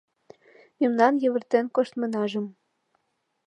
Мемнан йывыртен коштмынажым